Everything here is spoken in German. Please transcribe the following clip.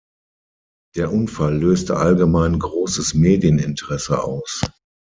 Der Unfall löste allgemein großes Medieninteresse aus.